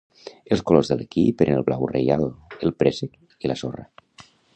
Els colors de l'equip eren el blau reial, el préssec i la sorra.